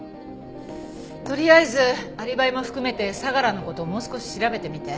とりあえずアリバイも含めて相良の事もう少し調べてみて。